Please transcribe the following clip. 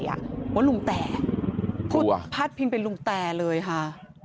ว่าลุงแตพูดพาดพิงเป็นลุงแตเลยค่ะ